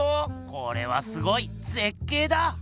これはすごい！ぜっけいだ！